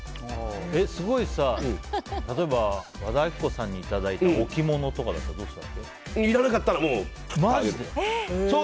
すごい、例えば和田アキ子さんにいただいたいらなかったら、もう。